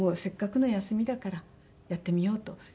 せっかくの休みだからやってみようと。